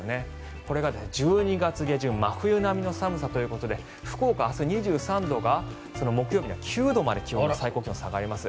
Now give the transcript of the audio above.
これが１２月下旬真冬の寒さということで福岡、明日２３度が木曜日には９度まで最高気温が下がります。